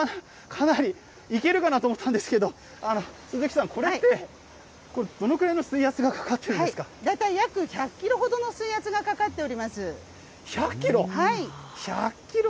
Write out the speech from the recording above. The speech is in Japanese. かなり、いけるかな？と思ったんですけど、鈴木さん、これでどのくらいの水圧がかかってるん大体、約１００キロほどの水１００キロ？